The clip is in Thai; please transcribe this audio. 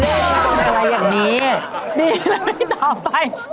นี่แล้วที่ต่อไป